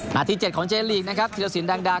มาที่เจ็ดของเจนลีกนะครับธิรษินดังดา